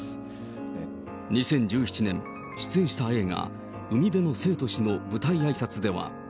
２０１７年、出演した映画、海辺の生と死の舞台あいさつでは。